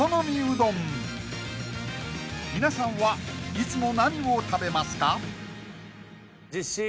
［皆さんはいつも何を食べますか？］